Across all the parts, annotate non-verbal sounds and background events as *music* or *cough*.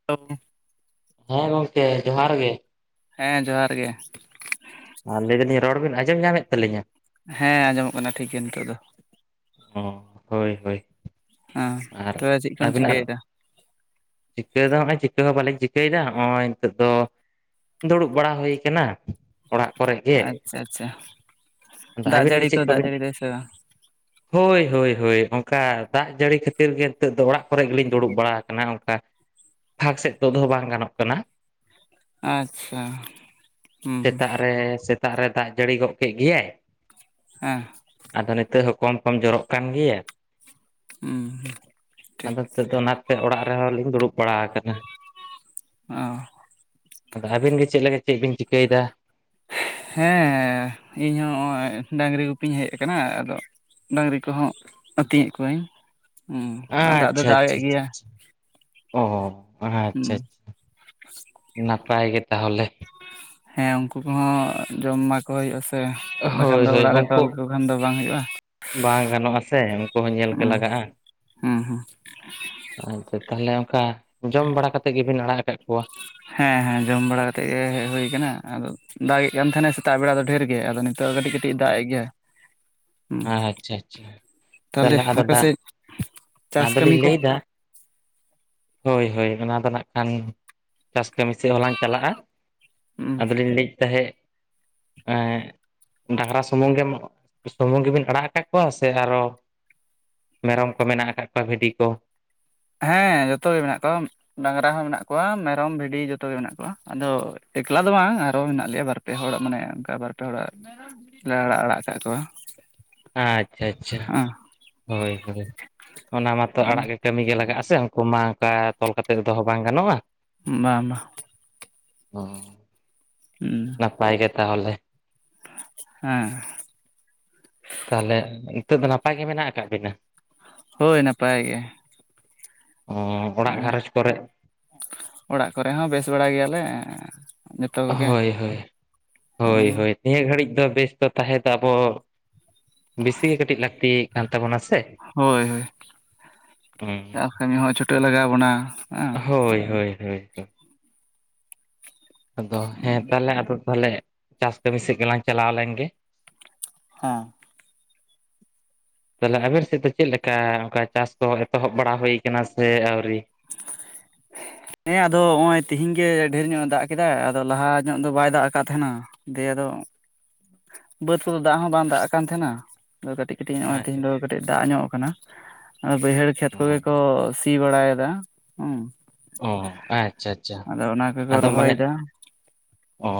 *unintelligible* ᱦᱮᱸ ᱜᱚᱝᱠᱮ ᱡᱚᱦᱟᱨ ᱜᱮ ᱦᱮᱸ ᱡᱚᱦᱟᱨ ᱜᱮ ᱟᱨ ᱞᱟᱹᱭ ᱫᱟᱞᱤᱧ ᱨᱚᱲ ᱵᱮᱤᱱ ᱟᱸᱡᱚᱢ ᱧᱟᱢᱮᱫ ᱛᱟᱹᱞᱤᱧᱟ ᱦᱮᱸ ᱟᱸᱡᱚᱢᱚᱜ ᱠᱟᱱᱟ ᱴᱷᱤᱠ ᱜᱮ ᱱᱤᱛᱚᱜ ᱫᱚ ᱚ ᱦᱳᱭ ᱦᱳᱭ ᱦᱮᱸ ᱟᱨ ᱛᱚᱵᱮ ᱪᱮᱜ ᱠᱚᱢ ᱟᱹᱵᱤᱱᱟᱜ ᱪᱤᱠᱟᱹᱭᱮᱫᱟ ᱪᱤᱠᱟᱹ ᱫᱚ ᱱᱚᱜᱼᱚᱭ ᱪᱤᱠᱟᱹ ᱦᱚᱸ ᱵᱟᱞᱮᱧ ᱪᱤᱠᱟᱹᱭᱮᱫᱟ ᱱᱚᱜᱼᱚᱭ ᱱᱤᱛᱚᱜ ᱫᱚ ᱫᱩᱲᱩᱵ ᱵᱟᱲᱟ ᱦᱩᱭ ᱟᱠᱟᱱᱟ ᱟᱪᱪᱷᱟ ᱟᱪᱪᱷᱟ ᱟᱫᱚ ᱫᱟᱜ ᱟᱹᱵᱤᱱ ᱜᱮ ᱡᱟᱹᱲᱤ ᱛᱚ ᱪᱮᱫ ᱫᱟᱜ ᱠᱚᱵᱤᱱ ᱡᱟᱹᱲᱤ ᱮᱫᱟᱭ ᱥᱮ ᱵᱟᱝ ᱦᱳᱭ ᱦᱳᱭ ᱦᱳᱭ ᱚᱱᱠᱟ ᱫᱟᱜ ᱡᱟᱹᱲᱤ ᱠᱷᱟᱹᱛᱤᱨ ᱜᱮ ᱱᱤᱛᱚᱜ ᱫᱚ ᱚᱲᱟᱜ ᱠᱚᱨᱮ ᱜᱮᱞᱤᱧ ᱫᱩᱲᱩᱵ ᱵᱟᱲᱟ ᱟᱠᱟᱱᱟ ᱯᱷᱟᱠ ᱥᱮᱫ ᱛᱚᱫ ᱦᱚ ᱵᱟᱝ ᱜᱟᱱᱚᱜ ᱠᱟᱱᱟ ᱟᱪᱪᱷᱟ ᱦᱩᱸ ᱦᱩᱸ ᱥᱮᱛᱟᱜ ᱨᱮ ᱥᱮᱛᱟᱜ ᱨᱮ ᱫᱟᱜ ᱡᱟᱹᱲᱤ ᱜᱚᱫ ᱠᱮᱫ ᱜᱮᱭᱟᱭ ᱦᱮᱸ ᱟᱫᱚ ᱱᱤᱛᱚᱜ ᱦᱚᱸ ᱠᱚᱢ ᱠᱚᱢ ᱡᱚᱨᱚᱜ ᱠᱟᱱ ᱜᱮᱭᱟ ᱦᱩᱸ ᱦᱩᱸ ᱴᱷᱤᱠ ᱟᱫᱚ ᱱᱤᱛᱚᱜ ᱫᱚ ᱚᱱᱟᱛᱮ ᱚᱲᱟᱜ ᱨᱮᱦᱚᱸ ᱞᱤᱧ ᱫᱩᱲᱩᱵ ᱵᱟᱲᱟ ᱟᱠᱟᱱᱟ ᱚ ᱟᱫᱚ ᱟᱹᱵᱤᱱ ᱜᱮ ᱪᱮᱫ ᱞᱮᱠᱟ ᱪᱮᱫ ᱵᱤᱱ ᱪᱤᱠᱟᱹᱭᱮᱫᱟ ᱦᱮᱸ ᱤᱧ ᱦᱚᱸ ᱱᱚᱜ-ᱚᱭ ᱰᱟᱹᱝᱨᱤ ᱜᱩᱯᱤᱧ ᱦᱮᱡ ᱟᱠᱟᱱᱟ ᱟᱫᱚ ᱰᱟᱝᱨᱤ ᱠᱚᱦᱚᱸ ᱟᱹᱛᱤᱧᱮᱫ ᱠᱚᱣᱟᱧ ᱦᱚᱸ ᱟᱨ ᱫᱟᱜ ᱫᱚᱭ ᱟᱪᱪᱷᱟ ᱟᱪᱪᱷᱟ ᱫᱟᱜᱮᱫ ᱜᱮᱭᱟ ᱟᱪᱪᱷᱟ ᱚ ᱟᱪᱪᱷᱟ ᱦᱩᱸ ᱟᱪᱪᱷᱟ ᱱᱟᱯᱟᱭ ᱜᱮ ᱛᱟᱦᱚᱞᱮ ᱦᱮᱸ ᱩᱱᱠᱩ ᱠᱚᱦᱚᱸ ᱡᱚᱢ ᱢᱟ *unintelligible* ᱵᱟᱠᱷᱟᱱ ᱦᱳᱭ ᱫᱚ ᱦᱳᱭ ᱚᱲᱟᱜ ᱨᱮ ᱛᱚᱞ ᱩᱱᱠᱩ ᱞᱮᱠᱚ ᱠᱷᱟᱱ ᱫᱚ ᱵᱟᱝ ᱦᱩᱭᱩᱜᱼᱟ ᱵᱟᱝ ᱜᱟᱱᱚᱜᱼᱟᱥᱮ ᱩᱱᱠᱩ ᱦᱚᱸ ᱧᱮᱞ ᱜᱮ ᱦᱩᱸ ᱞᱟᱜᱟᱜᱼᱟ ᱦᱩᱸ ᱦᱩᱸ ᱟᱪᱪᱷᱟ ᱛᱟᱦᱚᱞᱮ ᱚᱱᱠᱟ ᱡᱚᱢ ᱵᱟᱲᱟ ᱠᱟᱛᱮᱜ ᱜᱮᱵᱤᱱ ᱟᱲᱟᱜ ᱟᱠᱟᱫ ᱠᱚᱣᱟ ᱦᱮᱸ ᱦᱮᱸ ᱡᱚᱢ ᱵᱟᱲᱟ ᱠᱟᱛᱮᱜ ᱜᱮ ᱦᱮᱡ ᱦᱩᱭ ᱠᱟᱱᱟ ᱟᱫᱚ ᱫᱟᱜ ᱮᱫ ᱠᱟᱱ ᱛᱟᱦᱮᱱᱟ ᱥᱮᱛᱟᱜ ᱵᱮᱲᱟ ᱫᱚ ᱰᱷᱮᱨ ᱜᱮ ᱟᱫᱚ ᱱᱤᱛᱚᱜ ᱠᱟᱹᱴᱤᱜ ᱠᱟᱹᱴᱤᱜ ᱫᱟᱜ ᱮ ᱜᱮᱭᱟ ᱟᱪᱪᱷᱟ ᱟᱪᱪᱷᱟ ᱛᱟᱦᱚᱞᱮ ᱟᱫᱚ ᱫᱟ- ᱟᱯᱮᱥᱮᱫ ᱪᱟᱥ ᱠᱟᱹᱢᱤ ᱟᱫᱚᱞᱤᱧ ᱠᱚ ᱞᱟᱹᱭᱫᱟ ᱦᱳᱭ ᱦᱳᱭ ᱚᱱᱟ ᱫᱚ ᱱᱟᱜ ᱠᱟᱱ ᱪᱟᱥ ᱠᱟᱹᱢᱤ ᱥᱮᱜ ᱦᱚᱸᱞᱟᱝ ᱪᱟᱞᱟᱜᱼᱟ ᱟᱫᱚᱞᱤᱧ ᱞᱟᱹᱭᱮᱫ ᱛᱟᱦᱮᱸᱫ ᱰᱟᱝᱨᱟ ᱥᱩᱢᱩᱝ ᱜᱮᱢ ᱥᱩᱢᱩᱝ ᱜᱮᱵᱤᱱ ᱟᱲᱟᱜ ᱟᱠᱟᱫ ᱠᱚᱣᱟ ᱥᱮ ᱟᱨᱚ ᱢᱮᱨᱚᱢ ᱠᱚ ᱢᱮᱱᱟᱜ ᱟᱠᱟᱫ ᱠᱚᱣᱟ ᱵᱷᱤᱰᱤ ᱠᱚ ᱦᱮᱸ ᱡᱚᱛᱚᱜ ᱜᱮ ᱢᱮᱱᱟᱜ ᱠᱚᱣᱟ ᱰᱟᱝᱨᱟ ᱦᱚᱸ ᱢᱮᱱᱟᱜ ᱠᱚᱣᱟ ᱢᱮᱨᱚᱢ ᱵᱷᱤᱰᱤ ᱡᱚᱛᱚᱜ ᱜᱮ ᱢᱮᱱᱟᱜ ᱠᱚᱣᱟ ᱟᱫᱚ ᱮᱠᱞᱟ ᱫᱚ ᱵᱟᱝ ᱟᱨᱦᱚ ᱢᱮᱱᱟᱜ ᱞᱮᱭᱟ ᱵᱟᱨ ᱵᱟᱨ ᱯᱮ ᱦᱚᱲᱟᱜ ᱢᱟᱱᱮ ᱚᱱᱠᱟ ᱵᱟᱨ ᱯᱮ ᱦᱚᱲᱟᱜ ᱞᱮ ᱟᱲᱟᱜ ᱟᱲᱟᱜ ᱟᱠᱟᱫ ᱠᱚᱣᱟ ᱟᱪᱪᱷᱟ ᱟᱪᱪᱷᱟ ᱦᱮᱸ ᱦᱳᱭ ᱦᱳᱭ ᱚᱱᱟ ᱢᱟᱛᱚ ᱟᱲᱟᱜ ᱜᱮ ᱠᱟᱹᱢᱤ ᱜᱮ ᱞᱟᱜᱟᱜᱼᱟ ᱥᱮ ᱩᱱᱠᱩ ᱢᱟ ᱚᱱᱠᱟ ᱛᱚᱞ ᱠᱟᱛᱮ ᱫᱚᱦᱚ ᱵᱟᱝ ᱜᱟᱱᱚᱜᱼᱟ ᱵᱟᱝ ᱵᱟᱸ *unintelligible* *unintelligible* ᱱᱟᱯᱟᱭ ᱜᱮ ᱛᱟᱦᱚᱞᱮ ᱦᱮᱸ ᱛᱟᱦᱚᱞᱮ ᱱᱤᱛᱚᱜ ᱫᱚ ᱱᱟᱯᱟᱭ ᱜᱮ ᱢᱮᱱᱟᱜ ᱟᱠᱟᱜ ᱵᱤᱱᱟ ᱦᱳᱭ ᱱᱟᱯᱟᱭ ᱜᱮ ᱚ ᱚᱲᱟᱜ ᱦᱮᱸ ᱜᱷᱟᱨᱚᱸᱡᱽ ᱠᱚᱨᱮ ᱚᱲᱟᱜ ᱠᱚᱨᱮ ᱦᱚᱸ ᱵᱮᱥ ᱵᱟᱲᱟ ᱜᱮᱭᱟᱞᱮ ᱡᱚᱛᱚ ᱠᱚᱜᱮ ᱦᱳᱭ ᱦᱳᱭ ᱦᱳᱭ ᱦᱳ ᱱᱤᱭᱟᱹ ᱜᱷᱟᱹᱲᱤᱡ ᱫᱚ ᱵᱮᱥ ᱫᱚ ᱛᱟᱦᱮᱸ ᱫᱚ ᱟᱵᱚ ᱵᱮᱥᱤᱜᱮ ᱠᱟᱹᱴᱤᱡ ᱞᱟᱹᱠᱛᱤ ᱠᱟᱱ ᱛᱟᱵᱚᱱᱟ ᱥᱮ ᱦᱳᱭ ᱦᱳᱭ ᱪᱟᱥ ᱠᱟᱹᱢᱤ ᱦᱚᱸ ᱪᱷᱩᱴᱟᱹᱣ ᱞᱟᱜᱟᱣ ᱵᱚᱱᱟ ᱦᱮᱸ ᱦᱳᱭ ᱦᱳᱭ ᱦᱳᱭ ᱟᱫᱚ ᱦᱮᱸ ᱛᱟᱦᱞᱮ ᱟᱫᱚ ᱛᱟᱦᱞᱮ ᱪᱟᱥ ᱠᱟᱹᱢᱤ ᱥᱮᱫ ᱜᱮᱞᱟᱝ ᱪᱟᱞᱟᱣ ᱞᱮᱱ ᱜᱮ ᱦᱚ ᱛᱟᱦᱚᱞᱮ ᱟᱵᱮᱱ ᱥᱮᱫ ᱫᱚ ᱪᱮᱫ ᱞᱮᱠᱟ ᱚᱱᱠᱟ ᱪᱟᱥ ᱠᱚ ᱮᱛᱚᱦᱚᱵ ᱵᱟᱲᱟ ᱦᱩᱭ ᱟᱠᱟᱱᱟ ᱥᱮ ᱟᱹᱣᱨᱤ ᱦᱮᱸ ᱟᱫᱚ ᱱᱚᱜᱼᱚᱭ ᱛᱤᱦᱤᱧ ᱜᱮ ᱰᱷᱮᱨ ᱧᱚᱜ ᱮ ᱫᱟᱜ ᱠᱮᱫᱟᱭ ᱟᱫᱚ ᱞᱟᱦᱟ ᱧᱚᱜ ᱫᱚ ᱵᱟᱭ ᱫᱟᱜ ᱟᱠᱟᱫ ᱛᱟᱦᱮᱱᱟ ᱫᱮ ᱟᱫᱚ ᱵᱟᱹᱫᱽ ᱠᱚᱫᱚ ᱫᱟᱜ ᱦᱚᱸ ᱵᱟᱝ ᱫᱟᱜ ᱠᱟᱱ ᱛᱟᱦᱮᱱᱟ ᱠᱟᱹᱴᱤᱡ ᱠᱟᱹᱴᱤᱡ ᱱᱚᱜᱼᱚᱭ ᱟᱪᱪᱷᱟ ᱛᱮᱦᱤᱧ ᱫᱚ ᱠᱟᱹᱴᱤᱡ ᱫᱟᱜ ᱧᱚᱜ ᱠᱟᱱᱟ ᱵᱟᱹᱭᱦᱟᱹᱲ ᱠᱷᱮᱛ ᱠᱚᱜᱮ ᱟᱪᱪᱷᱟ ᱠᱚ ᱥᱤ ᱵᱟᱲᱟᱭᱮᱫᱟ ᱦᱮᱸ ᱚ ᱟᱪᱪᱷᱟ ᱟᱪᱪᱷᱟ ᱟᱫᱚ ᱚᱱᱟ ᱠᱚᱠᱚ ᱟᱫᱚ ᱢᱟᱱᱮ ᱨᱚᱦᱚᱭᱮᱫᱟ ᱚ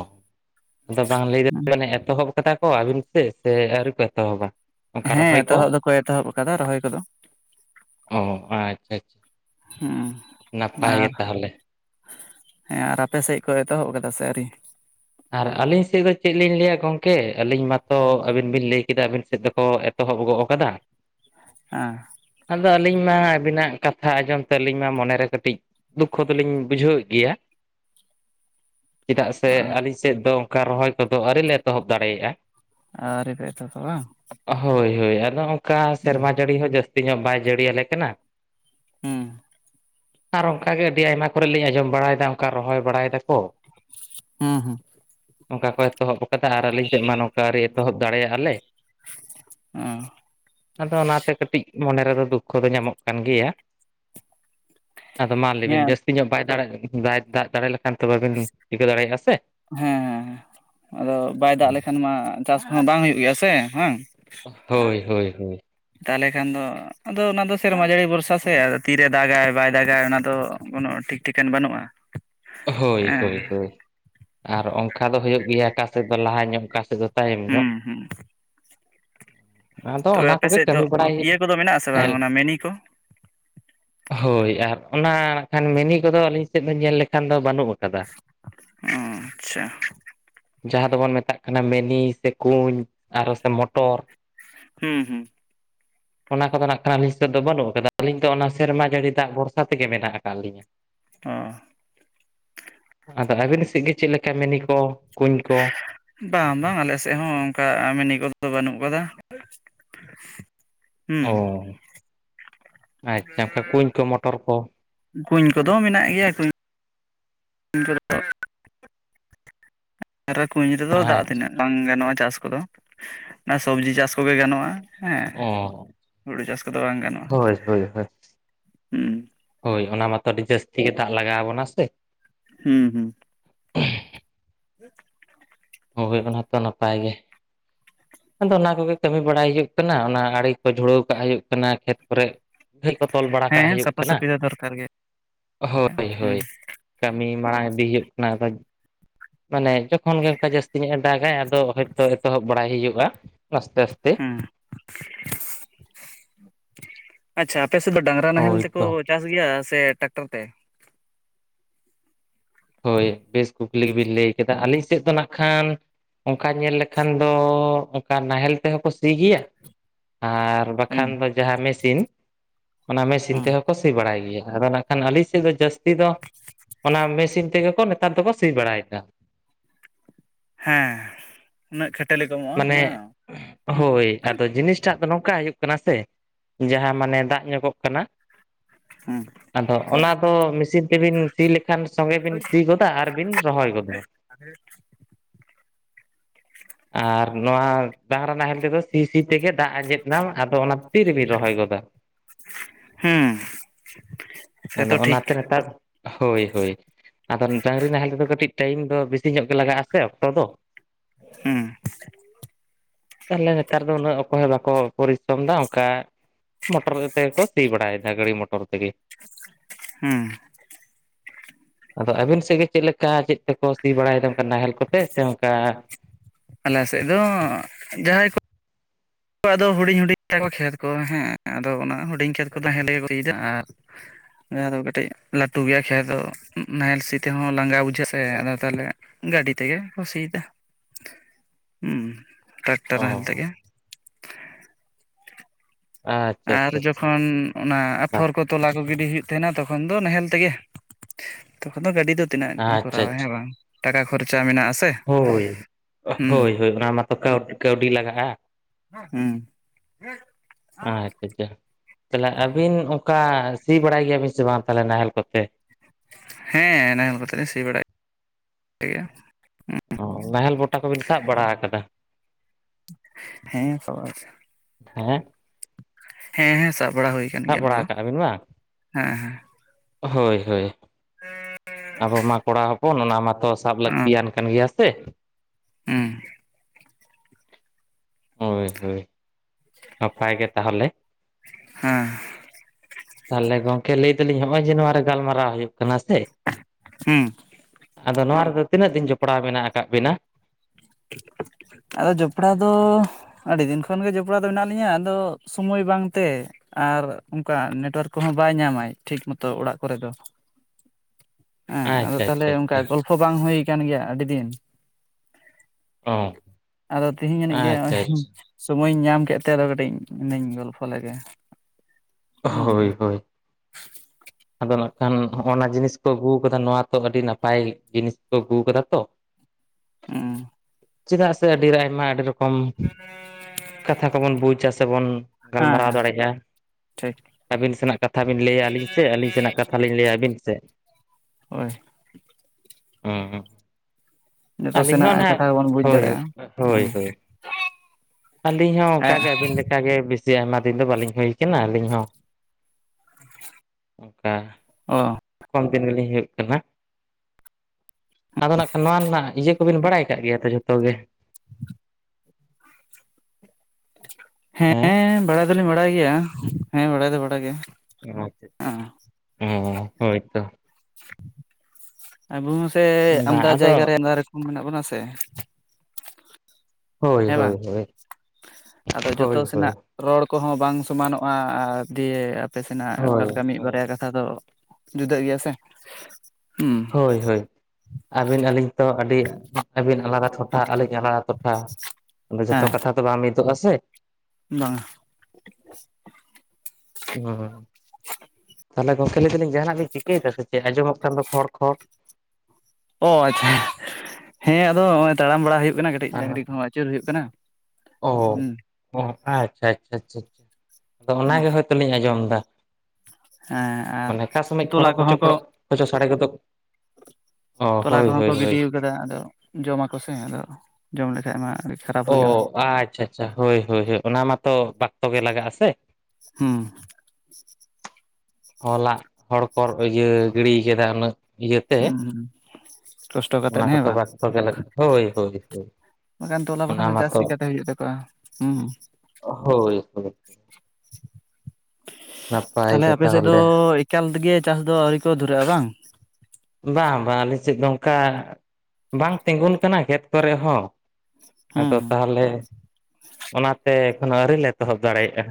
ᱟᱫᱚ ᱵᱟᱝ ᱞᱟᱹᱭ ᱠᱟᱛᱮ ᱢᱟᱱᱮ ᱮᱛᱚᱦᱚᱵ ᱠᱟᱴᱟ ᱠᱚᱵᱤᱱ ᱥᱮ ᱥᱮ ᱟᱹᱣᱥᱤ ᱠᱚ ᱮᱛᱚᱦᱚᱵᱟ ᱚᱱᱠᱟ ᱦᱮᱸ ᱨᱚᱦᱚᱭ ᱠᱚ ᱮᱛᱚᱦᱚᱵ ᱫᱚᱠᱚ ᱮᱛᱚᱦᱚᱵ ᱟᱠᱟᱫᱟ ᱨᱚᱦᱚᱭ ᱠᱚᱫᱚ ᱚ ᱟᱪᱷᱟ ᱟᱪᱷᱟ ᱦᱩᱸ ᱱᱟᱯᱟᱭ ᱜᱮ ᱟᱨ ᱛᱟᱦᱚᱞᱮ ᱦᱮᱸ ᱟᱨ ᱟᱯᱮ ᱥᱮᱫ ᱠᱚ ᱮᱛᱚᱦᱚᱵ ᱠᱟᱫᱟ ᱥᱮ ᱟᱹᱣᱨᱤ ᱟᱨ ᱟᱹᱞᱤᱧ ᱥᱮᱫ ᱫᱚ ᱪᱮᱫ ᱞᱤᱧ ᱞᱟᱹᱭᱟ ᱜᱚᱢᱠᱮ ᱟᱹᱞᱤᱧ ᱢᱟᱛᱚ ᱟᱹᱵᱤᱱ ᱵᱤᱱ ᱞᱟᱹᱭ ᱠᱮᱫᱟ ᱟᱹᱵᱤᱱ ᱥᱮᱫ ᱫᱚᱠᱚ ᱮᱛᱚᱦᱚᱵ ᱜᱚᱜ ᱟᱠᱟᱫᱟ ᱦᱮᱸ ᱟᱫᱚ ᱟᱹᱞᱤᱧ ᱢᱟ ᱟᱹᱵᱤᱱᱟᱜ ᱠᱟᱛᱷᱟ ᱟᱸᱡᱚᱢ ᱛᱮ ᱟᱹᱞᱤᱧ ᱢᱟ ᱢᱚᱱᱮᱨᱮ ᱠᱟᱹᱴᱤᱡ ᱫᱩᱠᱷᱚ ᱫᱚᱞᱤᱧ ᱵᱩᱡᱷᱟᱹᱣᱮᱫ ᱜᱮᱭᱟ ᱪᱮᱫᱟᱜ ᱥᱮ ᱟᱹᱞᱤᱧ ᱥᱮᱫ ᱫᱚ ᱚᱱᱠᱟ ᱨᱚᱦᱚᱭ ᱠᱚᱫᱚ ᱟᱹᱣᱨᱤ ᱞᱮ ᱮᱛᱚᱦᱚᱵ ᱫᱟᱲᱮᱭᱟᱜᱼᱟ ᱟᱹᱣᱨᱤ ᱯᱮ ᱮᱛᱚᱦᱚᱵᱼᱟ ᱵᱟᱝ ᱦᱳᱭ ᱦᱳᱭ ᱟᱫᱚ ᱚᱱᱠᱟ ᱥᱮᱨᱢᱟ ᱡᱟᱹᱲᱤ ᱦᱚᱸ ᱡᱟᱹᱥᱛᱤ ᱧᱚᱜ ᱵᱟᱭ ᱡᱟᱹᱲᱤ ᱟᱞᱮ ᱠᱟᱱᱟ ᱦᱮᱸ ᱟᱨ ᱚᱱᱠᱟᱜᱮ ᱟᱹᱰᱤ ᱟᱭᱢᱟ ᱠᱚᱨᱮ ᱞᱤᱧ ᱟᱸᱡᱚᱢ ᱵᱟᱲᱟᱭᱮᱫᱟ ᱚᱱᱠᱟ ᱨᱚᱦᱚᱭ ᱵᱟᱲᱟᱭᱮᱫᱟᱠᱚ ᱦᱮᱸ ᱦᱮᱸ ᱱᱚᱝᱠᱟ ᱠᱚ ᱮᱛᱚᱦᱚᱵ ᱠᱟᱫᱟ ᱟᱨ ᱟᱹᱞᱤᱧ ᱥᱮᱫ ᱢᱟ ᱱᱚᱝᱠᱟ ᱟᱹᱨᱤ ᱮᱛᱚᱦᱚᱵ ᱫᱟᱲᱮᱭᱟᱜᱼᱟ ᱞᱮ ᱚ ᱟᱫᱚ ᱚᱱᱟᱛᱮ ᱠᱟᱹᱴᱤᱡ ᱢᱚᱱᱮ ᱨᱮᱫᱚ ᱫᱩᱠᱷᱚ ᱫᱚ ᱧᱟᱢᱚᱜ ᱠᱟᱱ ᱜᱮᱭᱟ ᱟᱫᱚ ᱢᱟ ᱞᱟᱹᱭᱵᱤᱱ ᱦᱮᱸ ᱡᱟᱹᱥᱛᱤ ᱧᱚᱜ ᱵᱟᱭ ᱫᱟᱲᱮ ᱵᱟᱭ ᱫᱟᱜ ᱫᱟᱲᱮ ᱞᱮᱠᱷᱟᱱ ᱛᱚ ᱵᱟᱹᱵᱤᱱ ᱴᱤᱠᱟᱹ ᱫᱟᱲᱮᱭᱟᱜᱼᱟ ᱥᱮ ᱦᱮᱸ ᱦᱮᱸ ᱟᱫᱚ ᱵᱟᱭ ᱫᱟᱜ ᱞᱮᱠᱷᱟᱱ ᱢᱟ ᱪᱟᱥ ᱠᱚᱦᱚᱸ ᱵᱟᱝ ᱦᱩᱭᱩᱜ ᱜᱮᱭᱟ ᱥᱮ ᱦᱮᱸ ᱦᱳᱭ ᱦᱳᱭ ᱦᱳᱭ ᱛᱟᱦᱚᱞᱮ ᱠᱷᱟᱱ ᱫᱚ ᱟᱫᱚ ᱚᱱᱟ ᱫᱚ ᱥᱮᱨᱢᱟ ᱡᱟᱹᱲᱤ ᱵᱷᱚᱨᱥᱟ ᱥᱮ ᱛᱤᱨᱮ ᱫᱟᱜᱟ ᱵᱟᱭ ᱫᱟᱜᱟ ᱚᱱᱟ ᱫᱚ ᱠᱳᱱᱳ ᱴᱷᱤᱠ ᱴᱷᱤᱠᱟᱹᱱ ᱵᱟᱹᱱᱩᱜᱼᱟ ᱦᱳᱭ ᱦᱮᱸ ᱦᱳᱭ ᱟᱨ ᱚᱱᱠᱟ ᱫᱚ ᱦᱩᱭᱩᱜ ᱜᱮᱭᱟ ᱚᱠᱟ ᱥᱮᱫ ᱫᱚ ᱞᱟᱦᱟ ᱧᱚᱜ ᱚᱠᱟ ᱥᱮᱫ ᱫᱚ ᱛᱟᱭᱚᱢ ᱧᱚᱜ ᱦᱩᱸ ᱦᱩᱸ ᱟᱫᱚ ᱛᱚᱵᱮ ᱚᱱᱟ ᱟᱯᱮ ᱠᱚᱜᱮ ᱥᱮᱫ ᱫᱚ ᱠᱟᱹᱢᱤ ᱵᱟᱲᱟᱭ ᱦᱩᱭᱩᱜ ᱤᱭᱟᱹ ᱠᱚᱫᱚ ᱢᱮᱱᱟᱜ ᱟᱥᱮ ᱵᱟᱝ ᱦᱮᱞ ᱚᱱᱟ ᱢᱤᱱᱤ ᱠᱚ ᱦᱳᱭ ᱟᱨ ᱚᱱᱟ ᱠᱷᱟᱱ ᱢᱤᱱᱤ ᱠᱚᱫᱚ ᱟᱹᱞᱤᱧ ᱥᱮᱫ ᱫᱚ ᱧᱮᱞ ᱞᱮᱠᱷᱟᱱ ᱫᱚ ᱵᱟᱹᱱᱩᱜᱼᱟ ᱠᱟᱫᱟ ᱚ ᱟᱪᱪᱷᱟ ᱡᱟᱦᱟᱸ ᱫᱚᱵᱚᱱ ᱢᱮᱛᱟᱜ ᱠᱟᱱᱟ ᱢᱮᱱᱤ ᱥᱮ ᱠᱩᱧ ᱟᱨᱚ ᱥᱮ ᱢᱚᱴᱚᱨ ᱾ ᱦᱩᱸ ᱦᱩᱸ *inaudible* ᱚᱱᱟ ᱠᱚᱫᱚ ᱱᱟᱜ ᱠᱷᱟᱱ ᱟᱹᱞᱤᱤᱥᱮᱫ ᱫᱚ ᱵᱟᱹᱱᱩᱜ ᱟᱠᱟᱫᱟ ᱟᱹᱞᱤᱧ ᱫᱚ ᱚᱱᱟ ᱥᱮᱨᱢᱟ ᱡᱟᱹᱲᱤ ᱫᱟᱜ ᱵᱷᱚᱨᱥᱟ ᱛᱮᱜᱮ ᱢᱮᱱᱟᱜ ᱟᱠᱟᱫ ᱞᱤᱧᱟᱹ ᱾ ᱚ ᱟᱫᱚ ᱟᱹᱵᱤᱱ ᱥᱮᱫ ᱜᱮ ᱪᱮᱫ ᱞᱮᱠᱟ ᱢᱤᱱᱤ ᱠᱚ ᱠᱩᱧ ᱠᱚ? ᱵᱟᱝ ᱵᱟᱝ ᱟᱞᱮ ᱥᱮᱫ ᱦᱚᱸ ᱚᱱᱠᱟ ᱢᱤᱱᱤ ᱠᱚᱫᱚ ᱵᱟᱹᱱᱩᱜ ᱠᱟᱫᱟ ᱾ ᱦᱩᱸ ᱟᱪᱷᱟ ᱟᱯᱮ ᱠᱩᱧ ᱠᱚ, ᱢᱚᱴᱚᱨ ᱠᱚ, ᱠᱩᱧ ᱠᱚᱫᱚ ᱢᱮᱱᱟᱜ ᱜᱮᱭᱟ ᱠᱩᱧ ᱠᱚᱫᱚ, ᱟᱨ ᱠᱩᱧ ᱨᱮᱫᱚ ᱫᱟᱜ ᱟᱪᱪᱷᱟ ᱛᱤᱱᱟᱹᱜ ᱵᱟᱝ ᱜᱟᱱᱚᱜᱼᱟ ᱪᱟᱥ ᱠᱚᱫᱚ ᱚᱱᱟ ᱥᱚᱵᱽᱡᱤ ᱪᱟᱥ ᱠᱚᱜᱮ ᱜᱟᱱᱚᱜᱼᱟ ᱾ ᱚ ᱵᱟᱝ ᱜᱟᱱᱚᱜᱼᱟ ᱦᱳᱭ ᱦᱳᱭ ᱦᱳᱭ ᱦᱩᱸ ᱦᱳᱭ ᱚᱱᱟ ᱢᱟᱛᱚ ᱟᱹᱰᱤ ᱡᱟᱹᱥᱛᱤ ᱜᱮ ᱫᱟᱜ ᱞᱟᱜᱟᱣ ᱟᱵᱚᱱᱟ ᱥᱮ, ᱦᱩᱸ ᱦᱩᱸ *unintelligible* ᱦᱳᱭ ᱚᱱᱟ ᱛᱚ ᱱᱟᱯᱟᱭ ᱜᱮ, ᱟᱫᱚ ᱚᱱᱟ ᱠᱚᱜᱮ ᱠᱟᱹᱢᱤ ᱵᱟᱲᱟᱭ ᱦᱩᱭᱩᱜ ᱠᱟᱱᱟ ᱚᱱᱟ ᱟᱲᱮ ᱠᱚ ᱡᱷᱩᱲᱟᱹᱣ ᱠᱟᱜ ᱦᱩᱭᱩᱜ ᱠᱟᱱᱟ ᱠᱷᱮᱛ ᱠᱚᱨᱮ, ᱜᱷᱟᱹᱭ ᱠᱚ ᱛᱚᱞ ᱵᱟᱲᱟ ᱦᱮᱸ ᱠᱟᱜ ᱦᱮᱸ ᱦᱩᱭᱩᱜ ᱥᱟᱯᱷᱟ ᱠᱟᱱᱟ ᱥᱟᱹᱯᱷᱤ ᱫᱚ ᱫᱚᱨᱠᱟᱨ ᱜᱮ ᱦᱳᱭ ᱦᱮᱸ ᱦᱳᱭ ᱠᱟᱹᱢᱤ ᱢᱟᱲᱟᱝ ᱤᱫᱤ ᱦᱩᱭᱩᱜ ᱠᱟᱱᱟ ᱾ ᱟ ᱢᱟᱱᱮ ᱡᱚᱠᱷᱚᱱ ᱜᱮ ᱚᱱᱠᱟ ᱡᱟᱹᱥᱛᱤ ᱧᱚᱜ ᱮ ᱫᱟᱜᱟᱭ ᱟᱫᱚ ᱦᱚᱭᱛᱳ ᱮᱛᱚᱦᱚᱵ ᱵᱟᱲᱟᱭ ᱦᱩᱭᱩᱜᱼᱟ ᱟᱥᱛᱮ ᱟᱥᱛᱮ᱾ ᱩᱸ ᱟᱪᱷᱟ ᱟᱯᱮ ᱥᱮᱫ ᱫᱚ ᱰᱟᱝᱨᱟ ᱱᱟᱦᱮᱞ ᱛᱮᱠᱚ ᱦᱳᱭᱛᱚ ᱪᱟᱥ ᱜᱮᱭᱟ ᱥᱮ ᱴᱨᱟᱠᱴᱟᱨ ᱛᱮ᱾ ᱦᱳᱭ ᱵᱮᱥ ᱠᱩᱠᱞᱤ ᱵᱤᱱ ᱞᱟᱹᱭ ᱠᱟᱫᱟ ᱟᱹᱞᱤᱧ ᱥᱮᱫ ᱫᱚ ᱱᱟᱜ ᱠᱷᱟᱱ ᱚᱱᱠᱟ ᱧᱮᱞ ᱞᱮᱠᱷᱟᱱ ᱫᱚ ᱚᱱᱠᱟ ᱱᱟᱦᱮᱞ ᱛᱮᱦᱚᱸᱠᱚ ᱜᱮᱭᱟ ᱟᱨ ᱦᱩᱸ ᱵᱟᱠᱷᱟᱱ ᱫᱚ ᱡᱟᱦᱟᱸ ᱢᱮᱥᱤᱱ ᱚᱱᱟ ᱢᱮᱥᱤᱱ ᱦᱩᱸ ᱛᱮᱦᱚᱸ ᱠᱚ ᱥᱤ ᱵᱟᱲᱟᱭ ᱜᱮᱭᱟ ᱟᱫᱚ ᱠᱷᱟᱱ ᱟᱞᱤᱧ ᱥᱮᱫ ᱫᱚ ᱡᱟᱹᱥᱛᱤ ᱫᱚ ᱚᱱᱟ ᱢᱮᱥᱤᱱ ᱛᱮᱜᱮ ᱠᱚ ᱱᱮᱛᱟᱨ ᱫᱚᱠᱚ ᱥᱤ ᱵᱟᱲᱟᱭᱫᱟ ᱦᱮᱸ ᱩᱱᱟᱹᱜ ᱠᱷᱟᱹᱴᱟᱹᱞᱤ ᱠᱚᱢᱚᱜ ᱢᱟᱱᱮ ᱦᱳᱭ ᱟᱫᱚ ᱡᱤᱱᱤᱥᱴᱟᱜ ᱫᱚ ᱱᱚᱝᱠᱟ ᱦᱩᱭᱩᱜ ᱠᱟᱱᱟ ᱥᱮ ᱡᱟᱦᱟᱸ ᱢᱟᱱᱮ ᱫᱟᱜ ᱧᱚᱜᱚᱜ ᱠᱟᱱᱟ ᱦᱩᱸ ᱟᱫᱚ ᱚᱱᱟ ᱫᱚ ᱢᱮᱥᱤᱱ ᱛᱮᱵᱤᱱ ᱥᱤ ᱞᱮᱠᱷᱟᱱ ᱥᱚᱸᱜᱮ ᱵᱤᱱ ᱥᱤ ᱜᱚᱫᱟ ᱟᱨᱵᱤᱱ ᱨᱚᱦᱚᱭ ᱜᱚᱫᱟ *inaudible* ᱟᱨ ᱱᱚᱶᱟ ᱰᱟᱸᱝᱨᱟ ᱱᱟᱦᱮᱞ ᱛᱮᱫᱚ ᱥᱤ ᱥᱤ ᱛᱮᱜᱮ ᱫᱟᱜ ᱟᱸᱡᱮᱫ ᱚᱱᱟ ᱟᱫᱚ ᱛᱤ ᱨᱮᱵᱤᱱ ᱨᱚᱦᱚᱭ ᱜᱚᱫᱟ? ᱦᱮᱸ ᱟᱫᱚ ᱚᱱᱟᱛᱮ ᱱᱮᱛᱟᱨ ᱦᱳᱭ ᱦᱳᱭ ᱟᱫᱚ ᱰᱟᱹᱟᱝᱨᱤ ᱱᱟᱦᱮᱞ ᱨᱮᱫᱚ ᱠᱟᱹᱴᱤᱡ ᱴᱟᱭᱤᱢ ᱫᱚ ᱵᱤᱥᱤ ᱧᱚᱜ ᱜᱮ ᱞᱟᱜᱟᱜᱼᱟ ᱥᱮ ᱚᱠᱛᱚ ᱫᱚ ᱦᱩᱸ ᱛᱟᱦᱚᱞᱮ ᱱᱮᱛᱟᱨ ᱫᱚ ᱩᱱᱟᱹᱜ ᱚᱠᱚᱭ ᱦᱚᱸ ᱵᱟᱠᱚ ᱯᱚᱨᱤᱥᱨᱚᱢ ᱮᱫᱟ ᱚᱱᱠᱟ ᱢᱚᱴᱚᱨ ᱛᱮ ᱠᱚ ᱥᱤ ᱵᱟᱲᱟᱭᱮᱫᱟ ᱡᱟᱸᱦᱟ ᱜᱟᱲᱤ ᱢᱚᱴᱚᱨ ᱛᱮᱜᱮ ᱦᱮᱸ ᱟᱫᱚ ᱟᱹᱵᱤᱱ ᱥᱮᱫ ᱜᱮ ᱪᱮᱫ ᱞᱮᱠᱟ ᱪᱮᱫ ᱛᱮᱠᱚ ᱥᱤ ᱵᱟᱲᱟᱭ ᱫᱟ ᱚᱱᱠᱟ ᱱᱟᱦᱮᱞ ᱠᱚᱛᱮ ᱥᱮ ᱚᱱᱠᱟ ᱟᱞ ᱥᱮᱫ ᱫᱚ ᱡᱟᱦᱟᱸᱭ ᱠᱚ *unintelligible* ᱦᱩᱰᱤᱧ ᱦᱩᱰᱤᱧ ᱛᱟᱠᱚ ᱠᱷᱮᱛ ᱠᱚ ᱦᱮᱸ ᱟᱫᱚ ᱚᱱᱟ ᱦᱩᱰᱤᱧ ᱠᱷᱮᱛ ᱠᱚᱫᱚ ᱦᱮᱸᱞᱮ ᱥᱤᱭᱮᱫᱟ ᱟᱨ ᱡᱟᱦᱟᱸ ᱫᱚ ᱠᱟᱹᱴᱤᱡ ᱞᱟᱹᱴᱩ ᱜᱮᱭᱟ ᱠᱷᱮᱛ ᱱᱟᱦᱮᱞ ᱥᱤ ᱛᱮᱦᱚᱸ ᱞᱟᱸᱜᱟ ᱵᱩᱡᱷᱟᱹᱜᱼᱟ ᱥᱮ ᱟᱫᱚ ᱛᱟᱦᱚᱞᱮ ᱜᱟᱹᱰᱤ ᱛᱮᱜᱮ ᱠᱚ ᱥᱤᱭᱫᱟ ᱦᱮᱸ ᱴᱨᱟᱠᱴᱟᱨ ᱚ ᱱᱟᱦᱮᱞ ᱛᱮᱜᱮ᱾ ᱟᱪᱪᱷᱟ ᱟᱨ ᱟᱪᱪᱷᱟ ᱟᱪᱪᱷᱟ ᱡᱚᱠᱷᱚᱱ ᱚᱱᱟ ᱟᱪᱪᱷᱟ ᱟᱯᱷᱚᱨ ᱠᱚ ᱛᱚᱞᱟ ᱠᱚ ᱜᱤᱰᱤ ᱦᱩᱭᱩᱜ ᱛᱟᱦᱮᱱᱟ ᱛᱚᱠᱷᱚᱱ ᱫᱚ ᱱᱟᱦᱮᱞ ᱛᱮᱜᱮ ᱛᱚᱠᱷᱚᱱ ᱫᱚ ᱜᱟᱹᱰᱤ ᱫᱚ ᱛᱤᱱᱟᱹᱜ ᱮᱢ ᱠᱚᱨᱟᱣᱟ ᱟᱪᱪᱷᱟ ᱦᱮᱸ ᱵᱟᱝ ᱴᱟᱠᱟ ᱠᱷᱚᱨᱪᱟ ᱢᱮᱱᱟᱜ ᱟᱥᱮ ᱦᱳᱭ ᱦᱩᱸ ᱦᱳᱭ ᱦᱳᱭ ᱚᱱᱟ ᱢᱟᱛᱚ ᱠᱟᱹ ᱠᱟᱹᱣᱰᱤ ᱞᱟᱜᱟᱜᱼᱟ ᱦᱩ ᱟᱪᱪᱷᱟ ᱟᱪᱷᱟ ᱛᱟᱦᱞᱮ ᱟᱹᱵᱤᱱ ᱚᱱᱠᱟ ᱥᱤ ᱵᱟᱲᱟᱭ ᱜᱮᱭᱟᱵᱤᱱ ᱥᱮ ᱵᱟᱝ ᱛᱟᱦᱚᱞᱮ ᱱᱟᱦᱮᱞ ᱠᱚᱛᱮ? ᱦᱮᱸ ᱱᱟᱦᱮᱞ ᱠᱟᱛᱮ ᱞᱤᱧ ᱥᱤ ᱵᱟᱲᱟᱭ ᱜᱮᱭᱟ ᱚ ᱱᱟᱦᱮᱞ ᱵᱚᱴᱟ ᱠᱚᱵᱤᱱ ᱥᱟᱵ ᱵᱟᱲᱟ ᱠᱟᱫᱟ ᱦᱮᱸ ᱛᱚ ᱟᱪᱷᱟ ᱦᱮᱸ ᱦᱮᱸ ᱦᱮᱸ ᱥᱟᱵ ᱵᱟᱲᱟ ᱦᱩᱭ ᱟᱠᱟᱱ ᱥᱟᱵ ᱜᱮᱭᱟ ᱚᱱᱟ ᱵᱟᱲᱟ ᱠᱚᱫᱚ ᱟᱠᱟᱜᱼᱟ ᱵᱤᱱ ᱵᱟᱝ ᱦᱮᱸ ᱦᱮᱸ ᱦᱳᱭ ᱦᱳᱭ *inaudible* ᱟᱵᱚ ᱢᱟ ᱠᱚᱲᱟ ᱦᱚᱯᱚᱱ ᱚᱱᱟ ᱢᱟᱛᱚ ᱥᱟᱵ ᱞᱟᱹᱠᱛᱤᱭᱟᱱ ᱠᱟᱱ ᱜᱮᱭᱟ ᱥᱮ ᱦᱮᱸ ᱦᱳᱭ ᱦᱳᱭ *inaudible* ᱱᱟᱯᱟᱭ ᱜᱮ ᱛᱟᱦᱚᱞᱮ ᱦᱮᱸ ᱛᱟᱦᱚᱞᱮ ᱜᱚᱝᱠᱮ ᱞᱟᱹᱭ ᱫᱟᱞᱤᱧ ᱦᱚᱜᱼᱚᱭ ᱡᱮ ᱱᱚᱣᱟ ᱨᱮ ᱜᱟᱞᱢᱟᱨᱟᱣ ᱦᱩᱭᱩᱜ ᱠᱟᱱᱟ ᱥᱮ ᱦᱩ ᱟᱫᱚ ᱱᱚᱶᱟ ᱨᱮᱫᱚ ᱛᱤᱱᱟᱹᱜ ᱫᱤᱱ ᱡᱚᱯᱲᱟᱣ ᱢᱮᱱᱟᱜ ᱟᱠᱟᱫ ᱵᱤᱱᱟ? *inaudible* ᱟᱫᱚ ᱡᱚᱯᱲᱟᱣ ᱫᱚ ᱟᱹᱰᱤ ᱫᱤᱱ ᱠᱷᱚᱱᱜᱮ ᱡᱚᱯᱲᱟᱣ ᱫᱚ ᱢᱮᱱᱟᱜ ᱞᱤᱧᱟᱹ᱾ ᱟᱫᱚ ᱥᱩᱢᱚᱭ ᱵᱟᱝᱛᱮ ᱟᱨ ᱚᱝᱠᱟ ᱱᱮᱴᱳᱣᱟᱨᱠ ᱠᱚᱦᱚᱸ ᱵᱟᱭ ᱧᱟᱢᱟᱭ ᱴᱷᱤᱠ ᱢᱚᱛᱚ ᱚᱲᱟᱜ ᱠᱚᱨᱮ ᱫᱚ᱾ *inaudible* ᱦᱮᱸ ᱟᱫᱚ ᱟᱪᱪᱷᱟ ᱛᱟᱦᱚᱞᱮ ᱟᱪᱪᱷᱟ ᱚᱱᱠᱟ ᱟᱪᱪᱷᱟ ᱜᱚᱞᱯᱷᱚ ᱵᱟᱝ ᱦᱩᱭ ᱟᱠᱟᱱ ᱜᱮᱭᱟ ᱟᱹᱰᱤ ᱫᱤᱱ ᱾ ᱚ ᱟᱫᱚ ᱛᱮᱦᱤᱧ ᱟᱹᱱᱤᱡ ᱜᱮ ᱟᱪᱪᱷᱟ ᱱᱚᱜ ᱟᱪᱪᱷᱟ ᱥᱳᱢᱚᱭᱤᱧ ᱧᱟᱢ ᱠᱮᱫ ᱛᱮ ᱟᱫᱚ ᱠᱟᱹᱴᱤᱡ ᱤᱧ ᱜᱚᱞᱯᱷᱚ ᱞᱮᱜᱮ ᱾ ᱦᱳᱭ ᱦᱳᱭ ᱟᱫᱚᱱᱟᱜ, ᱠᱷᱟᱱ ᱦᱚᱸᱜ ᱱᱚᱣᱟ ᱡᱤᱱᱤᱥ ᱠᱚ ᱟᱹᱜᱩ ᱠᱟᱫᱟ ᱱᱚᱣᱟ ᱛᱚ ᱟᱹᱰᱤ ᱱᱟᱯᱟᱭ ᱡᱤᱱᱤᱥ ᱠᱚ ᱟᱹᱜᱩ ᱠᱟᱫᱟ ᱛᱚ, ᱦᱩᱸ ᱪᱮᱫᱟᱜ ᱥᱮ ᱟᱹᱰᱤ ᱟᱭᱢᱟ ᱟᱹᱰᱤ ᱨᱚᱠ ᱠᱚᱢ ᱠᱟᱛᱷᱟ ᱠᱚᱵᱚᱱ ᱵᱩᱡᱟ ᱥᱮᱵᱚᱱ ᱦᱮᱸ ᱜᱟᱞᱢᱟᱨᱟᱣ ᱦᱮᱸ ᱫᱟᱲᱮᱭᱟᱜᱼᱟ ᱾ ᱴᱷᱤᱠ ᱟᱹᱵᱤᱱ ᱥᱮᱱᱟᱜ ᱠᱟᱛᱷᱟ ᱵᱤᱱ ᱞᱟᱹᱭᱟ ᱟᱹᱞᱤᱧ ᱥᱮᱫ ᱟᱹᱞᱤᱧ ᱥᱮᱱᱟᱜ ᱠᱟᱛᱷᱟ ᱞᱤᱧ ᱞᱟᱹᱭᱟ ᱟᱹᱵᱤᱱ ᱥᱮᱫ, ᱦᱳᱭ *unintelligible* ᱡᱚᱛᱚ ᱟᱹᱞᱤᱧ ᱦᱚᱸ ᱥᱮᱱᱟᱜ ᱚᱱᱟ ᱠᱟᱛᱷᱟ ᱜᱮᱵᱚᱱ ᱵᱩᱡᱽ ᱦᱳᱭ ᱫᱟᱲᱮᱭᱟᱜᱼᱟ ᱦᱳᱭ ᱦᱩᱸ ᱦᱳᱭ ᱟᱹᱞᱤᱧ ᱦᱚᱸ ᱚᱱᱠᱟ ᱮᱸ ᱜᱮ ᱟᱵᱤᱱ ᱞᱮ ᱚᱱᱠᱟᱜᱮ ᱵᱮᱥᱤ ᱟᱭᱢᱟ ᱫᱤᱱ ᱫᱚ ᱵᱟᱹᱞᱤᱧ ᱦᱩᱭ ᱟᱠᱟᱱᱟ ᱟᱹᱞᱤᱧ ᱦᱚᱸ ᱚᱱᱠᱟ ᱚ ᱠᱚᱢ ᱫᱤᱱ ᱜᱮᱞᱤᱧ ᱦᱩᱭᱩᱜ ᱠᱟᱱᱟ ᱾ ᱟᱫᱚ ᱱᱟᱜ ᱠᱷᱟᱱ ᱱᱚᱣᱟ ᱨᱮᱱᱟᱜ ᱤᱭᱟᱹ ᱠᱚᱵᱤᱱ ᱵᱟᱲᱟᱭ ᱠᱟᱜ ᱜᱮᱭᱟ ᱛᱚ ᱡᱷᱚᱛᱚ ᱜᱮ, ᱦᱮᱸ ᱵᱟᱲᱟᱭ ᱫᱚᱞᱤᱧ ᱵᱟᱲᱟᱭ ᱜᱮᱭᱟ ᱦᱮᱸ ᱵᱟᱲᱟᱭ ᱫᱚ ᱵᱟᱲᱟᱭ ᱜᱮ, ᱚ ᱟᱪᱪᱷᱟ ᱦᱮᱸ ᱪᱷᱟ ᱚ ᱦᱳᱭᱛᱚ ᱟ ᱵᱩ ᱢᱟᱥᱮ ᱵᱟᱝ ᱟᱢᱫᱟ ᱡᱟᱭᱜᱼᱟ ᱨᱮ ᱟᱫᱚ ᱟᱢᱫᱟ ᱨᱚᱠᱚᱢ ᱢᱮᱱᱟᱜ ᱵᱚᱱᱟ ᱥᱮ᱾ ᱦᱳᱭ ᱦᱮᱸ ᱦᱳᱭ ᱵᱟᱝ ᱦᱳᱭ ᱟᱫᱚ ᱡᱚᱛᱚ ᱦᱳᱭ ᱦᱳᱭ ᱥᱮᱱᱟᱜ ᱨᱚᱲ ᱠᱚᱦᱚᱸ ᱵᱟᱝ ᱥᱚᱢᱟᱱᱚᱜᱼᱟ, ᱟᱨ ᱫᱤᱭᱮ ᱟᱯᱮ ᱥᱮᱱᱟᱜ ᱚᱠᱟ ᱞᱮᱠᱟ ᱦᱳᱭ ᱢᱤᱫ ᱦᱳᱭ ᱵᱟᱨᱭᱟ ᱠᱟ ᱠᱟᱛᱷᱟ ᱫᱚ ᱡᱩᱫᱟᱹᱜ ᱜᱮᱭᱟ ᱥᱮ, ᱦᱩᱸ ᱦᱳᱭ ᱦᱳᱭ ᱟᱹᱵᱤᱱ ᱟᱹᱞᱤᱧ ᱛᱚ ᱟᱹᱰᱤ ᱟᱹᱵᱤᱱ ᱟᱞᱟᱫᱟ, ᱟᱹᱞᱤᱧ ᱚᱱᱟ ᱴᱚᱴᱷᱟ ᱡᱚᱛᱚ ᱠᱟᱛᱷᱟ ᱫᱚ ᱵᱟᱝ ᱢᱤᱫᱚᱜᱼᱟ ᱥᱮ, ᱵᱟᱝᱟ ᱦᱳᱭ *unintelligible* ᱛᱟᱦᱚᱞᱮ ᱜᱚᱢᱠᱮ ᱞᱟᱹᱭ ᱫᱟᱞᱤᱧ ᱡᱟᱦᱟᱱᱟᱜ ᱵᱤᱱ ᱪᱤᱠᱟᱹᱭᱮᱫᱟ ᱥᱮ ᱪᱮᱫ ᱟᱸᱡᱚᱢᱚᱜ ᱠᱟᱱ ᱫᱚ ᱠᱷᱚᱲ ᱠᱷᱚᱲ ᱚ ᱟᱪᱪᱷᱟ ᱦᱮᱸ ᱟᱫᱚ ᱱᱚᱜᱚᱭ ᱛᱟᱲᱟᱢ ᱵᱟᱲᱟ ᱦᱩᱭᱩᱜ ᱠᱟᱱᱟ ᱠᱟᱹᱴᱤᱡ ᱰᱟᱹᱝᱨᱤ ᱠᱚᱦᱚᱸ ᱟᱹᱪᱩᱨ ᱦᱩᱭᱩᱜ ᱠᱟᱱᱟ᱾ ᱚ ᱦᱩᱸ ᱟᱪᱪᱷᱟ ᱟᱪᱪᱷᱟ ᱪᱷᱟ ᱪᱷᱟ ᱟᱫᱚ ᱦᱩᱸ ᱚᱱᱟᱜᱮ ᱦᱚᱭᱛᱚ ᱞᱤᱧ ᱟᱸᱡᱚᱢ ᱮᱫᱟ᱾ ᱦᱮᱸ ᱟᱨ ᱮ ᱚᱠᱟ ᱥᱚᱢᱚᱭ ᱛᱚᱞᱟ ᱠᱷᱚᱲᱚ ᱠᱚᱦᱚᱸ ᱠᱚ ᱦᱚᱪᱚᱲᱚ ᱦᱚᱪᱚ ᱥᱟᱰᱮ ᱜᱚᱫᱚᱜ ᱚ ᱦᱳᱭ ᱦᱳᱭ ᱦᱳᱭ ᱫᱟ ᱟᱫᱚ ᱡᱚᱢᱟᱠᱚ ᱥᱮ ᱟᱫᱚ ᱡᱚᱢ ᱞᱮᱠᱷᱟᱡ ᱢᱟ ᱹᱰᱤ ᱚ ᱟᱪᱪᱷᱟ ᱟᱪᱪᱷᱟ ᱦᱳᱭ ᱦᱳᱭ ᱚᱱᱟ ᱢᱟᱛᱚ ᱵᱟᱠᱛᱚ ᱜᱮ ᱞᱟᱜᱟᱜᱼᱟ ᱥᱮ᱾ ᱦᱮᱸ *unintelligible* ᱦᱚᱞᱟᱜ ᱦᱚᱲ ᱠᱚ ᱤᱭᱟᱹ ᱜᱤᱲᱤᱭ ᱠᱮᱫᱟ ᱩᱱᱟᱹᱜ ᱤᱭᱟᱹᱛᱮ ᱦᱩᱸ ᱦᱩᱸ ᱚᱱᱟ ᱠᱚᱫᱚ ᱵᱟᱫᱽᱷᱚ ᱜᱮ ᱦᱳᱭ ᱦᱳᱭ ᱵᱟᱝᱠᱷᱟᱱ ᱛᱚᱞᱟ ᱵᱟᱠᱷᱟᱱ ᱚᱱᱟ ᱫᱚ ᱡᱟᱥ ᱢᱟᱛᱚ ᱪᱤᱠᱟᱹᱛᱮ ᱦᱩᱭᱩᱜ ᱛᱟᱠᱚᱣᱟ ᱦᱩᱸ᱾ ᱦᱳᱭ ᱯᱟᱞᱮ ᱱᱟᱯᱟᱭ ᱛᱟᱞᱦᱮ ᱜᱮ ᱟᱯᱮ ᱥᱮᱫ ᱫᱚ ᱛᱟᱦᱚᱞᱮ ᱮᱠᱟᱞ ᱛᱮᱜᱮ ᱪᱟᱥ ᱫᱚ ᱟᱹᱣᱨᱤ ᱠᱚ ᱫᱷᱩᱨᱟᱹᱜᱼᱟ ᱵᱟᱝ ᱵᱟᱝ ᱵᱟᱝ ᱟᱞᱮ ᱪᱮᱫ ᱫᱚ ᱚᱱᱠᱟ ᱵᱟᱝ ᱛᱤᱜᱩᱱ ᱠᱟᱱᱟ ᱠᱷᱮᱛ ᱠᱚᱨᱮ ᱦᱚᱸ᱾ ᱟᱫᱚ ᱦᱩᱸ ᱛᱟᱦᱚᱞᱮ ᱚᱱᱟᱛᱮ ᱮᱠᱷᱱᱳ ᱟᱹᱣᱨᱤᱞ ᱞᱮ ᱮᱦᱚᱵ ᱫᱟᱲᱮᱭᱟᱜᱼᱟ᱾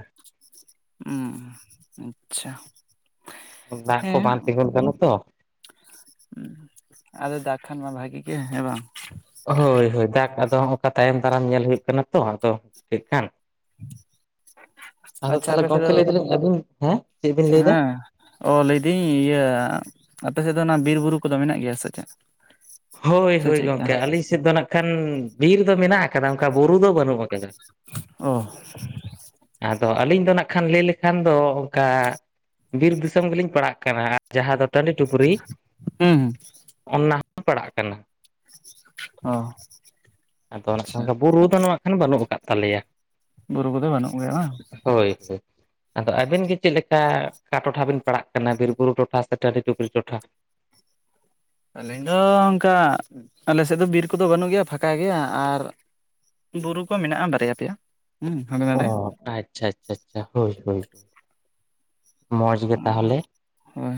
ᱦᱩᱸ ᱟᱪᱪᱷᱟ ᱦᱮᱸ ᱚᱱᱠᱟᱱᱟ ᱛᱚ *inaudible* ᱟᱫᱚ ᱫᱟᱜ ᱠᱷᱟᱱ ᱢᱟ ᱵᱷᱟᱜᱤ ᱜᱮ ᱦᱮᱸ ᱵᱟᱝ ᱦᱳᱭ ᱦᱳᱭ ᱫᱟᱜ ᱟᱫᱚ ᱛᱟᱭᱚᱢ ᱫᱟᱨᱟᱢ ᱧᱮᱞ ᱦᱩᱭᱩᱜ ᱠᱟᱱᱟ ᱛᱚ ᱟᱫᱚ ᱪᱮᱫ ᱠᱷᱟᱱ ᱟᱫᱚ ᱟᱪᱪᱷᱟ ᱛᱟᱦᱞᱮ ᱟᱯᱮ ᱥᱮᱫ ᱜᱚᱢᱠᱮ ᱫᱚ ᱞᱟᱹᱭ ᱫᱟᱞᱤᱧ ᱟᱵᱤᱱ ᱦᱮᱸ ᱪᱮᱫ ᱵᱤᱱ ᱞᱟᱹᱭᱫᱟ? ᱦᱮᱸ ᱚ ᱞᱟᱹᱭᱫᱟᱹᱧ ᱤᱭᱟᱹ ᱟᱯᱮ ᱥᱮᱫ ᱫᱚ ᱚᱱᱟ ᱵᱤᱨ ᱵᱩᱨᱩ ᱠᱚᱫᱚ ᱢᱮᱱᱟᱜ ᱜᱮᱭᱟ ᱥᱮ ᱪᱮᱫ? ᱦᱳᱭ ᱥᱮ ᱦᱳᱭ ᱪᱮᱫᱠᱟ ᱜᱚᱢᱠᱮ ᱟᱹᱞᱤᱧ ᱥᱮᱫ ᱫᱚ ᱱᱟᱜ ᱠᱷᱟᱱ ᱵᱤᱨ ᱫᱚ ᱢᱮᱱᱟᱜ ᱟᱠᱟᱫᱟ ᱚᱱᱠᱟ ᱵᱩᱨᱩ ᱫᱚ ᱵᱟᱹᱱᱩᱜ ᱟᱠᱟᱫᱟ᱾ ᱚ ᱟᱫᱚ ᱟᱹᱞᱤᱧ ᱫᱚ ᱱᱟᱜ ᱠᱷᱟᱱ ᱞᱟᱹᱭ ᱞᱮᱠᱷᱟᱱ ᱫᱚ ᱚᱱᱠᱟ ᱵᱤᱨ ᱫᱤᱥᱚᱢ ᱜᱮᱞᱤᱧ ᱯᱟᱲᱟᱜ ᱠᱟᱱᱟ᱾ ᱡᱟᱦᱟᱸ ᱫᱚ ᱛᱟᱺᱰᱤ ᱴᱩᱯᱨᱤ ᱦᱩᱸ ᱦᱩᱸ ᱚᱱ-ᱱᱟ ᱦᱚᱸ ᱯᱟᱲᱟᱜ ᱠᱟᱱᱟ᱾ ᱚ ᱟᱫᱚ ᱱᱟᱜ ᱟᱪᱪᱷᱟ ᱠᱷᱟᱱ ᱵᱩᱨᱩ ᱫᱚ ᱱᱚᱣᱟ ᱠᱷᱟᱱ ᱵᱟᱹᱱᱩᱜ ᱟᱠᱟᱫ ᱛᱟᱞᱮᱭᱟ᱾ ᱵᱩᱨᱩ ᱠᱚᱫᱚ ᱵᱟᱹᱱᱩᱜ ᱜᱮᱭᱟ ᱵᱟᱝ᱾ ᱦᱳᱭ ᱦᱳᱭ ᱟᱫᱚ ᱟᱹᱵᱤᱱ ᱜᱮ ᱪᱮᱫ ᱞᱮᱠᱟ ᱚᱠᱟ ᱴᱚᱴᱷᱟ ᱵᱤᱱ ᱯᱟᱲᱟᱜ ᱠᱟᱱᱟ ᱵᱤᱨ ᱵᱩᱨᱩ ᱴᱚᱴᱷᱟ ᱥᱮ ᱴᱟᱺᱰᱤ ᱴᱩᱜᱠᱨᱤ ᱴᱚᱴᱷᱟ ᱟᱹᱞᱤᱧ ᱫᱚ ᱚᱱᱠᱟ ᱟᱞᱮ ᱥᱮᱫ ᱫᱚ ᱵᱤᱨ ᱠᱚᱫᱚ ᱵᱟᱹᱱᱩᱜ ᱜᱮᱭᱟ ᱯᱷᱟᱠᱟ ᱜᱮᱭᱟ ᱟᱨ ᱵᱩᱨᱩ ᱠᱚ ᱢᱮᱱᱟᱜᱼᱟ ᱵᱟᱨᱭᱟ ᱯᱮᱭᱟ ᱦᱩᱸ ᱦᱟᱸᱰᱮ ᱱᱟᱰᱮ᱾ ᱚ ᱟᱪᱪᱷᱟ ᱟᱪᱪᱷᱟ ᱟᱪᱪᱷᱟ ᱦᱳᱭ ᱦᱳᱭ ᱢᱚᱸᱡᱽ ᱜᱮ ᱛᱟᱦᱚᱞᱮ ᱦᱳᱭ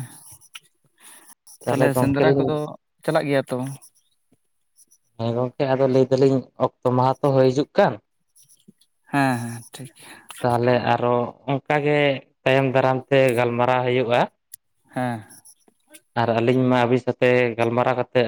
ᱛᱟᱦᱚᱞᱮ ᱛᱟᱦᱞᱮ ᱜᱚᱝᱠᱮ ᱥᱮᱸᱫᱽᱨᱟ ᱠᱚᱫᱚ ᱞᱤᱧ ᱪᱟᱞᱟᱜ ᱜᱮᱭᱟ ᱛᱚ? ᱦᱮᱸ ᱜᱚᱢᱠᱮ ᱟᱫᱚ ᱞᱟᱹᱭ ᱫᱟᱞᱤᱧ ᱚᱠᱛᱚ ᱢᱟᱦᱟ ᱛᱚ ᱦᱳᱭ ᱦᱤᱡᱩᱜ ᱠᱟᱱ ᱦᱮᱸ ᱦᱮᱸ ᱴᱷᱤᱠ ᱜᱮᱭᱟ ᱛᱟᱦᱚᱞᱮ ᱟᱨᱚ ᱚᱱᱠᱟᱜᱮ ᱛᱟᱭᱚᱢ ᱫᱟᱨᱟᱢ ᱛᱮ ᱜᱟᱞᱢᱟᱨᱟᱣ ᱦᱩᱭᱩᱜᱼᱟ ᱦᱮᱸ ᱟᱨ ᱟᱹᱞᱤᱧ ᱢᱟ ᱟᱵᱤᱱ ᱥᱟᱛᱮ ᱜᱟᱞᱢᱟᱨᱟᱣ ᱠᱟᱛᱮᱫ